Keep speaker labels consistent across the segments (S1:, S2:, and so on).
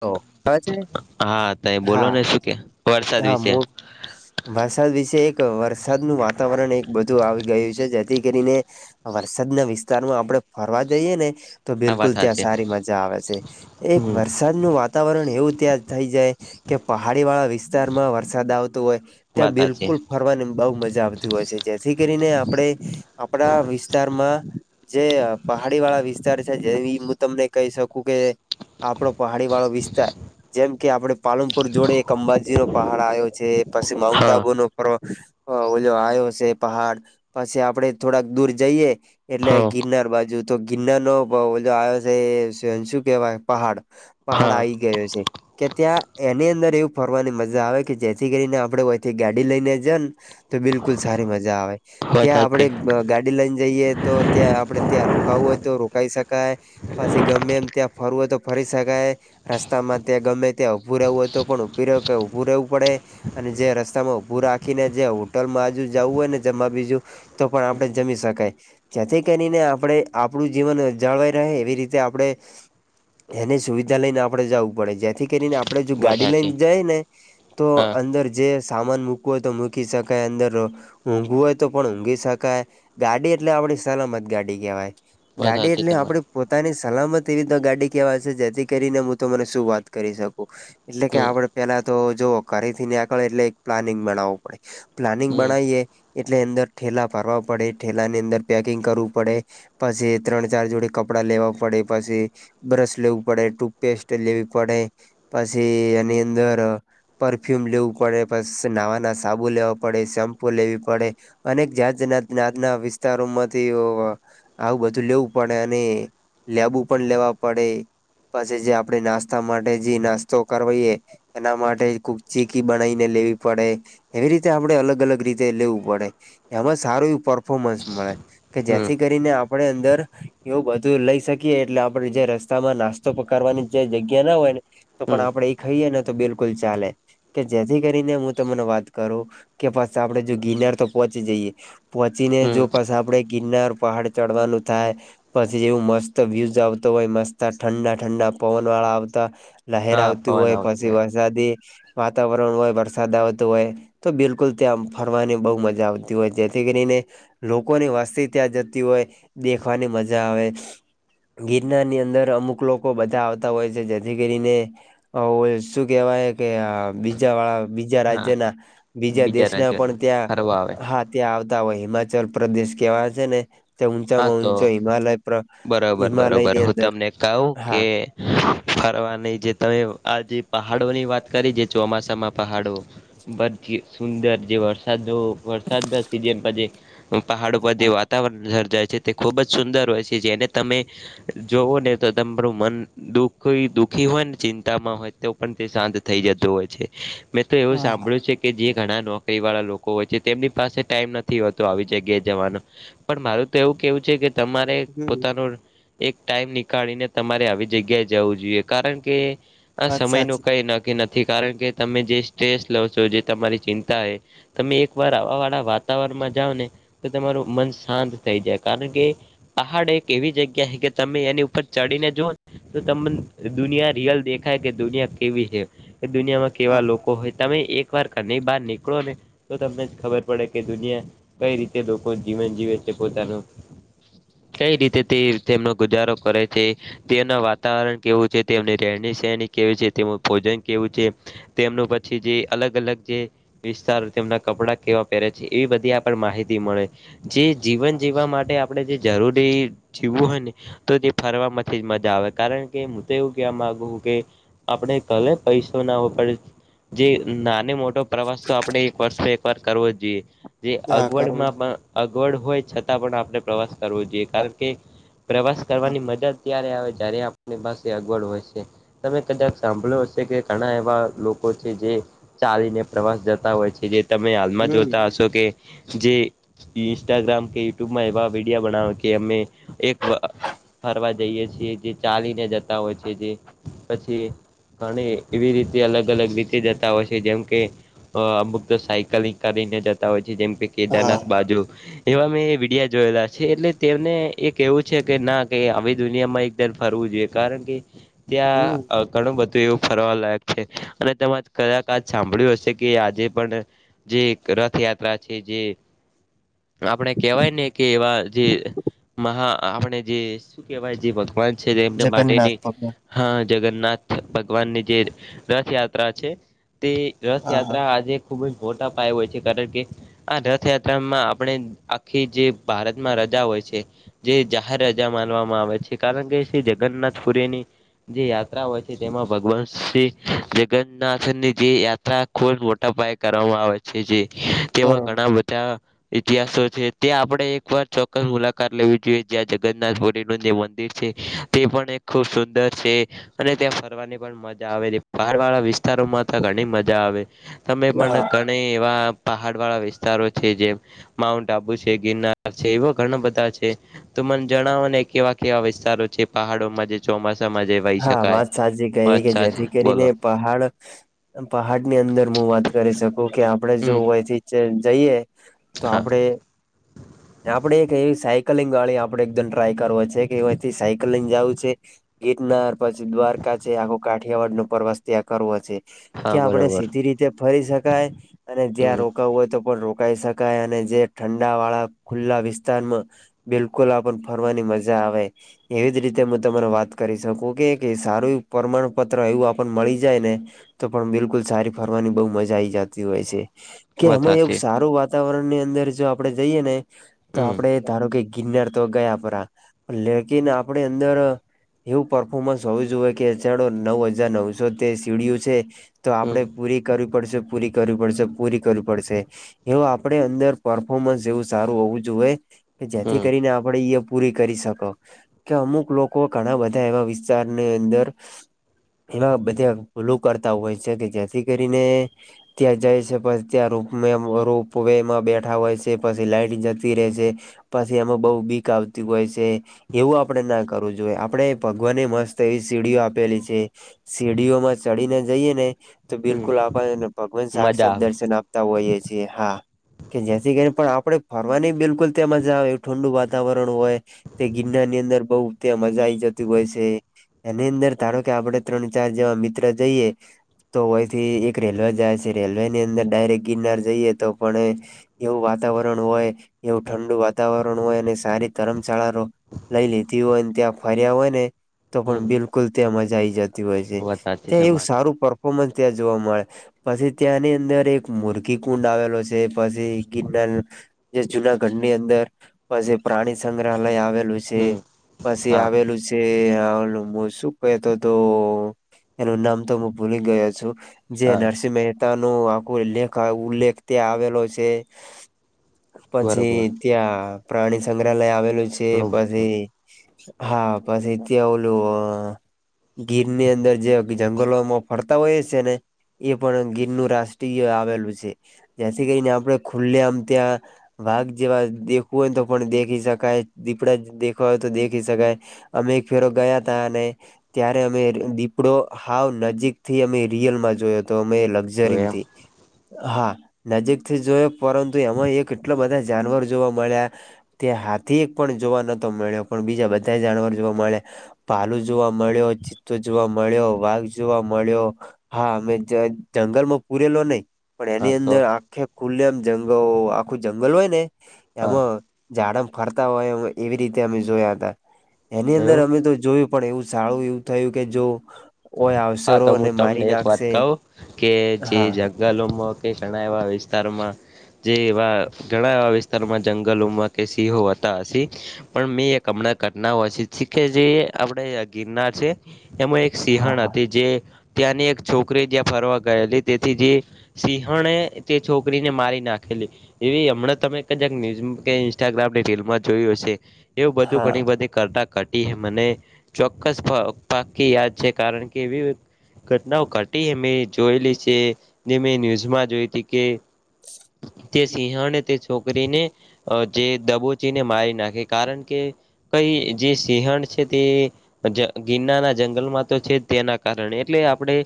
S1: તો
S2: હા ત બોલો
S1: હા
S2: ને શું કે વરસાદ
S1: હા
S2: વિશે
S1: મુ વરસાદ વિશે એક વરસાદનું વાતાવરણ એક બું આવી ગયું છે. જેથી કરીને વરસાદના વિસ્તારમાં આપડ ફરવા જઈએ ને તો
S2: હા વાત
S1: બિલકુલ ત્યાં
S2: સાચી
S1: સારી મજા આવે છે એક વર્ષ વરસાદનું વાતાવરણ એવું ત્યાં થઈ જાય કે પહાડી વાળા વિસ્તારમાં વરસાદ આવતો હોય.
S2: વાત
S1: ત્યાં
S2: સાચી
S1: બિલકુલ ફરવાની બહુ મજા આવતી હોય છે. જેથી કરીને આપણે આપણા વિસ તારમાં જે પહાડી વાળા વિસ્તાર છે જે હું તમને કહી શકું કે આપડો પહાડી વાળો વિસ્તાર જેમ કે આપડ પાલનપુર જોડે એક અંબાજી નો પહાડ આયો. છે પછી માઉન્ટ
S2: હા
S1: આબુ નો ફ આવ્યો છે પહાડ પછી આપડે થોડાક દૂર જઈએ. એટલે
S2: હા
S1: ગિરનાર બાજુ તો ગિરનાર નો આવ્યો છે શું કેવાય પહાડ પહાડ આ
S2: હા
S1: આવી ગયો છે. કે ત્યાં એની અંદર એવું ફરવાની મજા આવે કે જેથી કરીને આપણે ઓયેથી ગાડી લઈને જન તો બિલકુલ સારી મજા આવે
S2: વાત
S1: ત્યાં આપડે
S2: સાચી
S1: ગાડી. ડી લઈને જઈએ તો ત્યાં આપડે ત્યાં રોકાવું હોય તો રોકાઈ શકાય. પછી ગમે એમ ત્યાં ફરવું હોય તો ફરી શકાય. રસ્તામાં ત્યાં ગમે ત્યાં ઊભું રહેવું હોયું પણ ઉભી ઉભું રહેવું પડે. અને જે રસ્તા માં ઉભું રાખીને જે હોટલમાં હજુ જવું હોય ને જમા બીજું. તો પણ આપડે જમી શકાય. જેથી કરીને આપણે આપણું જીવન જળવાઈ રહે એવી રીતે આપડણે. એની સુવિધા લઈને આપડે જવું પડે જેથી કરીને આપડે જો
S2: વાત
S1: ગાડી
S2: સાચી
S1: લઈને જઈ ને તો
S2: હા
S1: અંદર જે સામાન મૂકવું હોય તો મૂકી શકાય અંદર. ઊંઘવું હોય તો પણ ઊંઘી શકાય ગાડી એટલે આપણી સલામત ગાડી કહેવાય.
S2: વાત
S1: ગાડી
S2: સાચી
S1: એટલે આપડે
S2: તમારી
S1: પોતાની સલામત એવી તો ગાડી કેવાય છે જેથી કરીને હું તો મને શું વાત કરી શકું? એટલે કે
S2: હમ
S1: આપડે પેલા તો જોવો ઘરેથી આકળે એટલે એક પ્લાનિંગ બનાવવું પડે. પ્લાનિંગ
S2: હમ
S1: બનાવીએ એટલે અંદર ઠેલા ભરવા પડે, ઠેલા ની અંદર પેકિંગ કરવું પડે. પછી ત્રણ ચાર જોડે કપડાં લેવા પડે, પછી બ્રશ લેવું પડે. ટૂથપેસ્ટ લેવી પડે પછી, એની અંદર પરફ્યુમ લેવું પડે પસ નવાનાવા સાબુ લેવા પડે, શેમ્પુ લેવી પડે. અનેક જાતના નાજના વિસ્તારો માંથી અ આવું બધું લેવું પડે અને લેબુ પણ લેવા પડે. પછી જે આપડે નાસ્તા માટે જે નાસ્તો કરવાઈએ. એના માટે ખુક ચીકી બનાવીને લેવી પડે. એવી રીતે આપડણે અલગ અલગ રીતે લેવું પડે. એમાં સારું એવું પરફોર્મન્સ મળે કે
S2: હમ
S1: જેથી કરીને આપણે અંદર. એવું બધું લઈ શકીએ, એટલે આપડે જે રસ્તામાં નાસ્ત તો પકારવાની જે જગ્યા ના હોય, ને તો
S2: હમ
S1: પણ આપડે એ ખાઈએ ને તો બિલકુલ ચાલે. કે જેથી કરીને હું તમને વાત કરું કે પછ આપડે જો ગિનાર તો પહોંચી જઈએ. પહોંચી ને
S2: હમ
S1: જો પ આપડે ગિરનાર પહાડ ચડવાનું થાય. પછી જેવું મસ્ત વ્યુઝ આવતો હોય મસ્ત ઠંડા ઠંડા પવન વાળા આવતા. લહેર આવતી હોય પછી વરસાદી વાતાવરણ હોય વરસાદ આવતું હોય. તો બિલકુલ ત્યાં ફરવાની બહુ મજા આવતી હોય જેથી કરીને લોકોની વસ્તી ત્યાં જતી હોય દેખવાની મજા આવે. ગિરનાર ની અંદર અમુક લોકો બધા આવતા હોય છે, જેથી કરીને શું કેવાય કે બીજા વાળા બીજા
S2: હા
S1: રાજ્યના બીજા દેશના
S2: રાજ્યોના
S1: પણ ત્યાં
S2: ફરવા આવે
S1: હા ત્યાં આવતા હોય હિમાચલ પ્રદેશ કેવા છે ને
S2: હા
S1: ઊંચામાં
S2: તો
S1: ઊંચો હિમાલય હિમાલય ની અંદર.
S2: કાઉ
S1: હા
S2: કે. ફરવા નહ જે તમે આ જેે પહાડોની વાત કરી જે ચોમાસામાં પહાડો. બ સુંદર જે વરસાદ વરસાદ ના સિઝન પ જે પહાડ ઉપર જે
S1: હા
S2: વાતાવરણ સર્જાય છે. તે ખૂબ જ સુંદર હોય છે જેને તમે જોવોને તો તમારું મન દુખ દુખી હોય ને ચિંતામાં હોય તેઓ પણ તે શાંત થઈ જતું હોય છે મેં તો એવું
S1: હા
S2: સાંભળ્યું છે. કે જે ઘણા નોકરીવાળા લોકો હોય છે તેમની પાસે ટાઈમ નથી હોતો આવી જગ્યાએ જવાનો. પણ મારું તો એવું કેહવું છે કે તમારે
S1: હમ
S2: પોતાનું એક ટાઈમ નીકાળીને તમારે આવી જગ્યાએ જવું જોઈએ કારણ કે આ
S1: વાત
S2: સમયનું
S1: સાચી
S2: કંઈ ન ક્કી નથી કારણ કે તમે જે સ્ટ્રેસ લવ છો જે તમારી ચિંતા એ તમે એકવાર આવાવાળા વાતાવરણમાં જાવને તો તમારું મન શાંત થઈ જાય કારણ કે પહાડ એક એવી જગ્યા હે કે તમે એની ઉપર ચડીને જોવોને તો તમને દુનિયા રિયલ દેખાય કે દુનિયા કેવી હે? કે દુનિયામાં કેવા લોક કો હોય તમે એક વાર ઘરની બહાર નીકળોને તો તમને ખબર પડે કે દુનિયા કઈ રીતે લોકો જીવન જીવે છે પોતાનું કઈ રીતે તે તેમનો ગુજારો કરે છે. ત્યાંના વાતાવરણ કેવું છે, તેમની રહેણી સરણી કેવી છે? તેમનું ભોજન કેવું છે? તેમનું પછી જે અલગ-અલગ જે વિસ્તાર તેમના કપડાં કેવા પહેરે છે એવી બધી આપણને માહિતી મળે જે જીવન જીવવા માટે આપણે જે જરૂરી જીવવું હોય ને તો તે ફરવામાથી જ મજા આવે કારણ કે મુ તો એવું કેહવા માંગુ કે આપણે કલે પૈસો નાઓ પડે જે નાને મોટ ટો પ્રવાસ તો આપણે એક વર્ષે એકવાર કરવો જ જોઈએ જે
S1: હા
S2: અગવડમાં પણ અગવડ હોય છતાં પણ આપણે પ્રવાસ કરવો જોઈએ, કારણ કે પ્રવાસ
S1: હા
S2: કરવાની મજા જ ત્યારે આવે જયારે આપની પાસે અગવડ હોય શે. તમે કદાચ સાંભળ્યું હશે કે ઘણા એવા લોકો છે જે ચાલીને પ્રવાસ જતા હોય છે જે તમે હાલમાં
S1: હમ
S2: જોતા હશો કે જે ઈ ન્સ્ટાગ્રામ કે યુટ્યુબમાં એવા વિડીયો બણાવ કે અમે એક વા ફરવા જઈએ છીએ જે ચાલીને જતાં હોય છે જે પછી અણે એવી રીતે અલગ-અલગ રીતે જતા હોય છે જેમકે અ અમુક તો સાયકલિંગ કરીને જતા હોય છે જેમકે
S1: હા
S2: કેદારનાથ બાજુ એવા મેં વિડિયા જોયેલા છે એટલે તેમને એ કેહવું છે કે ના કે આવી દુનિયામાં એક તર ફરવું જોઈએ કારણ કે
S1: હમ
S2: ત્યાં અ ઘણું બધું એવું ફરવા લાયક છે, અને તમાંજ કદાચ કાજ સાંભળ્યું હશે કે એ આજે પણ જે એક રથયાત્રા છે જે આપણે કેહવાય ને કે એવા જે મહા આપણે જે શું કેહવાય જે ભગવાન છે જે એમને
S1: જગન્નાથ
S2: માટેની
S1: ભગવાન
S2: હ, જગન્નાથ ભગવાનની જે રથયાત્રા છે તે
S1: હા હા
S2: રથયાત્રા આજે ખૂબ જ મોટા પાયે હોય છે કારણ કે આ રથયાત્રામાં આપ ણે આખી જે ભારતમાં રજા હોય છે. જે જાહેર રજા માનવામાં આવે છે કારણ કે શ્રી જગન્નાથ પુરીની જે યાત્રા હોય છે, તેમાં ભગવાન શ્રી જગન્નાથની જે યાત્રા ખૂબ જ મોટા પાયે કરવામાં આવે છે જે તેમાં
S1: બરોબર
S2: ઘણા બધાં ઇતિહાસો છે, તે આપણે એકવાર ચોક્કસ મુલાકાત લેવી જોઈએ જ્યાં જગન્નાથપુરીનું જે મંદિર છે. તે પણ એક ખૂબ સુંદર છે. અને ત્યાં ફરવાની પણ મજા આવે, પહાડવાળા વિસ્તારોમાં તો ઘણી મજા આવે. તમે પણ
S1: હા
S2: ઘણે એવા પહાડવાળા વિસ્તારો છે, જે માઉન્ટ આબુ છે, ગિરનાર છે, એવા ઘણાં બધાં છે. તો મને જણાવો ને કેવા-કેવાં વિસ્તારો છે પહાડોમાં જે ચોમાસામાં જે વહી
S1: હા,
S2: શકાય
S1: વાત સાચી કયરી કે
S2: અચ્છા છે
S1: જેથી કરીને
S2: બોલો
S1: પહાડ-પહાડની અંદર મું વાત કરી શકું કે આપણે જો
S2: હમ
S1: હોયથી જ જઈએ તો
S2: હા
S1: આપડે આપડે એક એવી સાયકલિંગવાળી આપડે એક દિન ટ્રાય કરવો છે કે અવ અહીંથી સાયકલ લયન જાવું છે. ગીરનાર પછી દ્વારકા છે આખો કાઠિયાવાડનો પ્રવાસ ત્યાં કરવો છે.
S2: હા
S1: ક્યાં આપડે
S2: બરોબર
S1: સીધી રીતે ફરી શકાય, અને જ્યાં
S2: હમ
S1: રોકાવું હોય તો પણ રોકાઈ શક [unintelligible] અને જે ઠંડા વાળા ખુલ્લા વિસ્તારમાં બિલકુલ આપ પણ ફરવાની મજા આવે. એવી જ રીતે મુંતમારા વાત કરી શકું કે કે સારું પ્રમાણપત્ર એવું આપણ મળી જાય ને તો પણ બિલકુલ સારી ફરવાની બઉ મજા આઈ જાતી હોય છે. કે
S2: વધા
S1: હમણે
S2: છે
S1: સારું વાતાવરણની અંદર જો આપડે જઈએ ને તો
S2: હમ
S1: આપડે ધાડો કે કિન્નર તો ગયાપરા લેકિન આપડે અંદર એવું પરર્ફોર્મન્સ હોઉં જુએ કે એચડો નવ હજાર નવસો તે સીડીિયું છે. તો
S2: હમ
S1: આપડે પૂરી કરી પડશે, પૂરી કરવી પડસે, પૂરી કરવી પડશે, એવું આપડે અંદર પરફોર્મન્સ જેવુ સારું હોવુ, જુએ કે જેથી
S2: હમ
S1: કરીને આપડે ઇય પૂરી કરી શકો કે અમુક લોકો ઘણા બધા એવા વિસ્તારને અંદર એમાં બધે ભૂલું કરતા હોય છે કે જેથી કરીને ત્યા જય છે, પર ત્યા રોપમેં રોપવે માં બેઠા હોય છે. પછી લાાઈટ જતી રે છે, પાછી એમાં બઉ બીક આવતી હોય છે, એવું આપડે નાખ કરવું જુએ આપણે ભગવાનને મસ્ત એવી સીડીઓ આપેલી છે. સીડીઓમાં સડીને જઈએ ને તો બિલ
S2: હમ
S1: પણ
S2: મજા આવે
S1: આપડણે ફરવાની બિલકુલ તેમાં જ આવે એવું ઠંડુ વાતાવરણ હોય. તે ગિરનાર ની અંદર બઉુ ત્યાં મજા આઈ જતી હોય છે. એની અંદર ધારો કે આપણે ત્રણ ચાર જેવા મિત્ર જઈએ તો વયથી એક રેલવે જાય છે રેલવે ની અંદર ડાયરેક્ટ ગિરનાર જઈએ તો પણ એવું વાતાવરણ હોય એવું ઠંડુ વાતાવરણ હોય અને સારી ધરમશાળા ર લઈ લીધી હોય ત્યાં ફર્યા હોય ને તો પણ
S2: હમ
S1: બિલકુલ ત્યાં મજા આઈ જતી હોય છે
S2: વધારે છે
S1: ત્યાં એવું
S2: તમારે
S1: સારું ત્યાં જોવા મળે પછી ત્યાંની અંદર એક મુર્ખી કુંડ આવેલો છે, પછી જુનાગઢની અંદર પ પ્રાણી સંગ્રહાલય આવે પછી
S2: હમ હા
S1: આવેલું છે, શું તો તો એનું નામ તો હું ભૂલી ગયો છું જે
S2: હા
S1: એનઆરસી મે પોતા ન આખું લેખ ઉલેખ આવેલો છે. પછી
S2: બરોબર
S1: ત્યાં પ્રાણી સંગ્રહાલય આવેલું છે,
S2: ઘણું બધું
S1: પછી. હા બસ એથી આવવલું ગીર ની અંદર જે જંગલોમાં ફરતા હોય છેને એ પણ ગીર નું રાષ્ટ્રીય આવેલું છે જે્યાથી કરીને આપણે ખુલ્લે આમ ત્યાં વાઘ જેવા દેખવું હોયને તો પણ દેખી શકાય દીપડા દેખવા હોય, તો દેખી શકાય અમે એક ફેરો ગયા તા અને ત્યારે અમે દીપડો હાવ નજીક થી અમે રિયલમાં જોયો હતો તો અમે
S2: તો એમ
S1: લક્ઝરી હા નજીકથી જોયો પરંતુ તો એમાં એ કેટલા બધા જાનવર જોવા મળ્યા તે હાથી એક પણ જોવા નતો મળ્યો પણ બીજા બધા જણવર જોવા મળ્યા પાલું જોવા મળ્યો ચિત્ત જોવા મળ્યો વાઘ જોવા મળ્યો હા મેમે જંગલમાં પૂરેલો, ન પણ
S2: હા
S1: એની
S2: તો
S1: અંદર આખે ખુલ્લેમ જંગ આખું જંગલ હોય ને
S2: હા
S1: એમાં ઝાડમ ફરતા હોય એવી રીતે અમે જોયા હતા એની
S2: એવું
S1: અંદર અમે તો જોયુ. પણ એવું સારું એવું થયું કે જો ઓય
S2: હા
S1: અવસરો
S2: તો હું
S1: અને
S2: તમને
S1: મારી
S2: એક વાત
S1: નાખશે
S2: કહું કે જે
S1: હા
S2: જ ગલોમાં કે ઘણા એવા વિસ્તારમાં જે એવા ઘણા એવા વિસ્તારોમાં જંગલોમાં કે સિંહો હતા હસી પણ મેં એક હમણાં કરના હો છે કે જે આપણેે ગિરનાર છે, એમાં એક
S1: હા
S2: સિંહણ
S1: હા
S2: હતી જે ત્યાંની એક છોકરી જ્યાં ફરવા ગયેલી તેથી જે સિંહણે તે છોકરીને મારી નાખેલી એવી હમણાં તમે ક જક ન્યુઝ કે ઇન્સ્ટાગ્રામની રીલમાં જોયું હશે એવું બધું
S1: હા
S2: ઘણી બધી કરતા કટી મને ચોક્કસ પાકી યાદ છે કારણ કે કેવી ઘટનાઓ ઘટી અમે જોયેલી છે જે મેં ન્યૂઝમાં જોઈ હતી કે તે સિંહ અને તે છોક છોકરીને જે દબોચીને મારી નાખે કારણ કે કઈ જે સિંહણ છે તે ગિરના ના જંગલમાં તો છે તેના કારણે એટલે આપણે.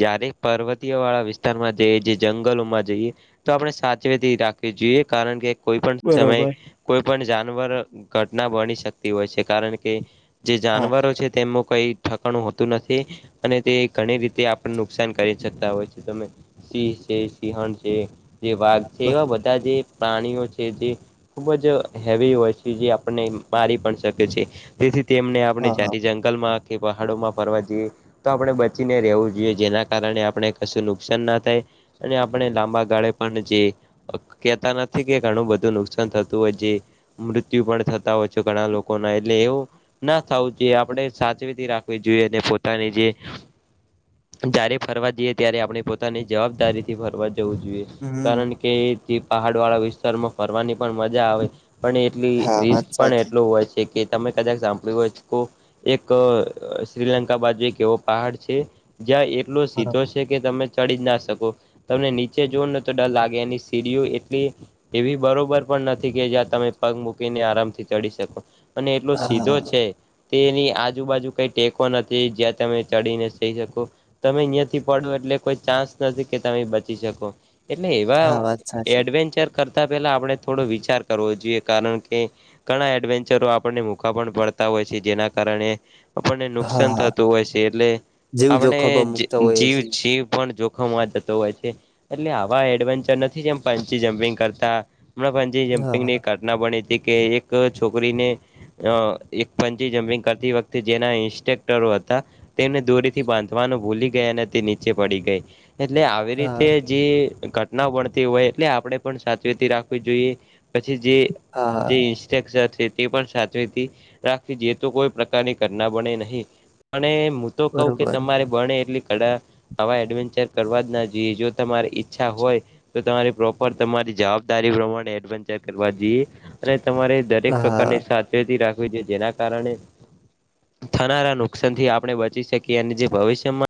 S2: જય્યારે પર્વતીય વાળા વિસ્તારમાં જઈ જે જંગલોમાં જઈ તો આપણે સાચવેતી રાખવી જોઈએ કારણ કે કોઈ પણ સમયે
S1: બરોબર.
S2: કોઈ પણ જાનવર ઘટના બની શકતી હોય છે કારણ કે. જે
S1: હા
S2: જાનવરો છે તેમનું કઈ ઠકાણું હોતું નથી અને તે ઘણી રીતે આપણે નુકસાન કરી શકતા હોય છે તમે સિંહ છે સિંહણ છે જે વાઘ છે
S1: બર
S2: એવા બધા જે પ્રાણીઓ છે જે ખૂબ જ હેવી હોય છે જે આપણને મારી પણ શકે છે તેથી તેમને આપણે
S1: હા હા
S2: જાતિ જંગલમાં કે પહાડોમાં ફરવા તો આપણે બચીને રહેવું જોઈએ જેના કારણે આપણે કશું નુકસાન ના થાય અને આપણે લાંબા ગાળે પણ જે કેતા નથી કે ઘણું બધું નુકસાન થતું હોય છે. મૃત્યુ પણ થતા હોય છે ઘણા લોકો ના એટલે એવું ના થાઉ જોઈએ આપડે સાચવીથી રાખવી જોઈએ જે પોતાની જે જ્યારે ફરવા જઈએ ત્યારે આપડે પોતાની જવાબદારી થી ફરવા જવું જોઈએ.
S1: હમ
S2: કારણ કે પહાડ વાળા વિસ્તારમાં ફરવાની પણ મજા આવે પણ એટલી
S1: હા વાત
S2: રિસ્ક પણ
S1: સાચી
S2: એટલું હોય છે. કે તમે કદાચ સંભાળ્યું હોય તો એક અ શ્રીલં કા બાજુ એક એવો પહાડ છે જ્યાં એટલો
S1: બરાબર
S2: સીધોસ એ કે તમે ચડી જ ના શકો તમને નીચે જોઓને તો ડર લાગે એની સીડીઓ એટલી એવી બરોબર પણ નથી કે જ્યાં તમે પગ મૂકીને આરામથી ચડી શકો. અને એટલો સીધો
S1: હા
S2: છે તેની આજુબાજુ કઈ ટેકો નથ. ઈ જ્યાં તમે ચડીને જઈ શકો. તમે અહીંયાથી પડો એટલે કોઈ ચાન્સ નથી કે તમે બચી શકો. એટલે એવા
S1: હા વાત સાચી
S2: એડવેન્ચર કરતા પેલા આપણે થોડો વિચાર કરવો જોઈએ કારણ કે ઘણા એડવેન્ચરો આપને મૂગા પણ પડતા હોય છે, જેના કારણે આપણને
S1: હા
S2: નુકસાન
S1: હા
S2: થતું હોય છે, એટલે
S1: જેવું
S2: આપણે
S1: જોખમમાં મુકતા હોઈએ
S2: જી જીવ
S1: છીએ
S2: છે પણ જો ખમવા થતો હોય છે એટલે આવા એડવેન્ચર નથી જેમ પંચી જમ્પિંગ કરતા જે
S1: હા હા
S2: જમ્પિંગની ઘટના બની તી કે એક છોકરીને અ એક પંચી જમ્પિંગ કરતી વખતે જેના ઇન્સ્ટેક હતા તેમને દોરીથી બાંધવાનું ભૂલી ગયા અને તે નીચે પડી ગઈ. એટલે આવી રીતે
S1: હા
S2: જે ઘટના બણતી હોય એટલે આપણેે પણ સાચવીતી રાખવી જોઈએ. પછી જે
S1: હા
S2: જે ઇન્ ન્સેકસર તે પણ સાચવીથી રાખવી જોઈએ, તો કોઈ પ્રકારની ઘટના બળે નહીં. પણ હું તો કહું કે
S1: બરોબર
S2: તમારે બણે એટલી ઘડા આવા એડવેન્ચર કરવા જ ના જોઈએ જો તમારી ઈચ્છા હોય. તો તમારી પ્રોપર તમારી જવાબદારી પ્રમાણે એડવેન્ચર કરવા જોઈએ અને તમારે દરેક
S1: હા
S2: પ્રકારની સાવચેતી રાખવી જોઇએ જેના કારણે થનારા લોક નુકસાનથી આપણે બચી શકીએ અને જે ભવિષ્યમાં